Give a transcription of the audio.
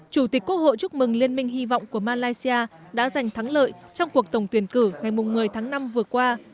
chủ tịch quốc hội chúc mừng liên minh hy vọng của malaysia đã giành thắng lợi trong cuộc tổng tuyển cử ngày một mươi tháng năm vừa qua